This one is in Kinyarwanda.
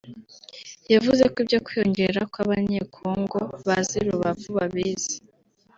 yavuze ko ibyo kwiyongera kw’Abanye-Congo baza i Rubavu babizi